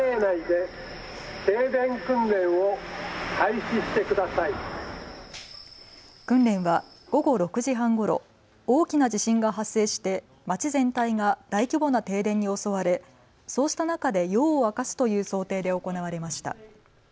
訓練は午後６時半ごろ、大きな地震が発生して町全体が大規模な停電に襲われそうした中で夜を明かすという想定で行われました。